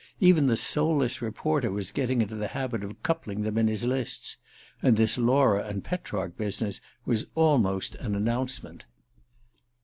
Even the soulless reporter was getting into the habit of coupling them in his lists. And this Laura and Petrarch business was almost an announcement...